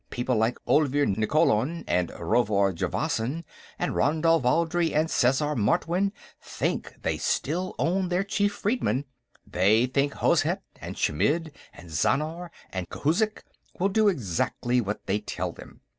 People like Olvir Nikkolon and Rovard Javasan and Ranal Valdry and Sesar Martwynn think they still own their chief freedmen; they think Hozhet and Chmidd and Zhannar and Khouzhik will do exactly what they tell them.